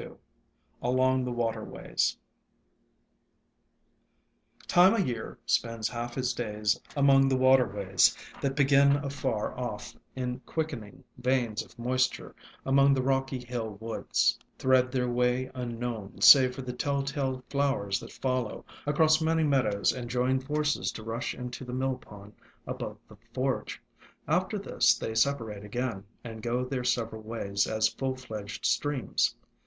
II ALONG THE WATER WAYS [ME O' YEAR spends half his days among the waterways, that begin afar off in quickening veins of moisture among the rocky hill woods, thread their way unknown, save for the tell tale flowers that follow, across many meadows, and join forces to rush into the mill pond above the forge; after this they sepa rate again, and go their several ways as full fledged streams.